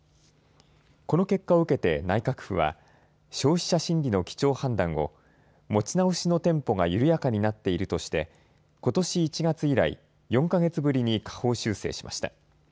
この結果を受けて内閣府は消費者心理の基調判断を持ち直しのテンポが緩やかになっているとしてことし１月以来、４か月ぶりに下方修正しました。